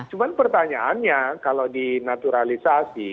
cuma pertanyaannya kalau di naturalisasi